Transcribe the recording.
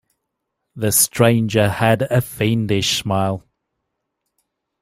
The stranger had a fiendish smile.